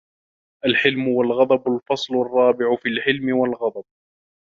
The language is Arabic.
الْحِلْمُ وَالْغَضَبُ الْفَصْلُ الرَّابِعُ فِي الْحِلْمِ وَالْغَضَبِ